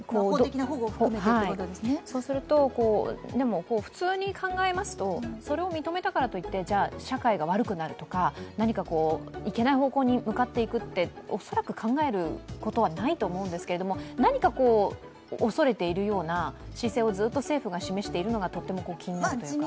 そうすると、普通に考えますとそれを認めたからといってじゃあ社会が悪くなるとか何かいけない方向に向かっていくって恐らく考えることはないと思うんですけれども、何か、恐れているような姿勢をずっと政府が示しているのがとっても気になるというか。